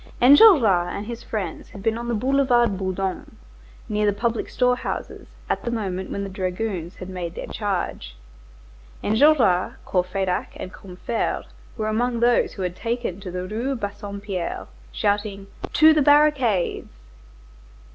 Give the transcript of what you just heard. Enjolras and his friends had been on the Boulevard Bourdon, near the public storehouses, at the moment when the dragoons had made their charge. Enjolras, Courfeyrac, and Combeferre were among those who had taken to the Rue Bassompierre, shouting: "To the barricades!"